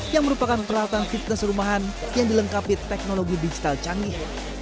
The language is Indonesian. yang merupakan peralatan fitness rumahan yang dilengkapi teknologi digital canggih